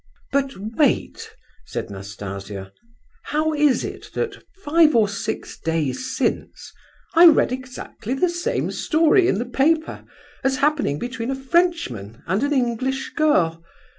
"But wait," said Nastasia. "How is it that, five or six days since, I read exactly the same story in the paper, as happening between a Frenchman and an English girl?